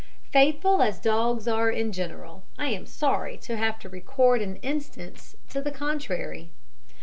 Faithful as dogs are in general, I am sorry to have to record an instance to the contrary.